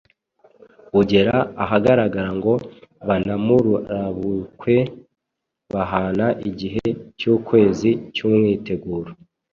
ugera ahagaragara ngo banamurabukwe. Bahana igihe cy’ukwezi cy’umwiteguro.